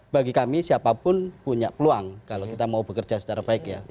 bagi kami siapapun punya peluang kalau kita mau bekerja secara baik ya